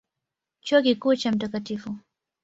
Chuo Kikuu cha Mt.